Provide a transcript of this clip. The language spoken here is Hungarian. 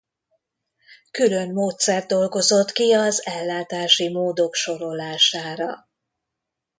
Külön módszert dolgozott ki az ellátási módok sorolására.